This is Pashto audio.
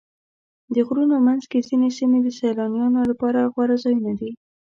د غرونو منځ کې ځینې سیمې د سیلانیانو لپاره غوره ځایونه دي.